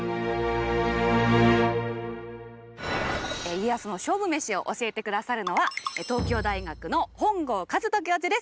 家康の勝負メシを教えて下さるのは東京大学の本郷和人教授です。